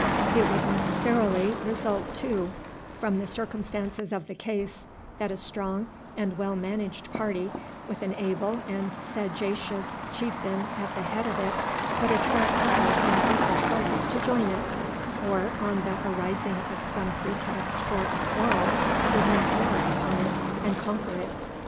It would necessarily result, too, from the circumstances of the case, that a strong and well managed party, with an able and sagacious chieftain at the head of it, would attract other and weaker parties to join it; or, on the arising of some pretext for a quarrel, would make war upon it and conquer it.